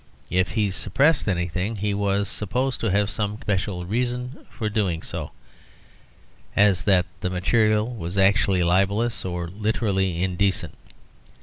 If he suppressed anything, he was supposed to have some special reason for doing so; as that the material was actually libellous or literally indecent.